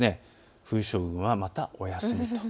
冬将軍はまたお休みと。